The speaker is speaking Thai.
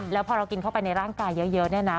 แล้วพอเรากินเข้าไปในร่างกายเยอะเนี่ยนะ